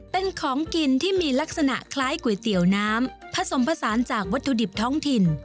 เป็นของกินที่มีลักษณะคล้ายก๋วยเตี๋ยวน้ำผสมผสานจากวัตถุดิบท้องถิ่น